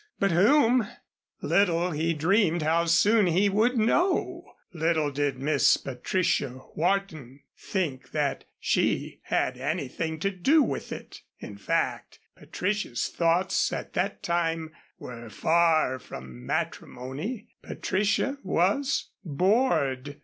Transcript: But whom? Little he dreamed how soon he would know. Little did Miss Patricia Wharton think that she had anything to do with it. In fact, Patricia's thoughts at that time were far from matrimony. Patricia was bored.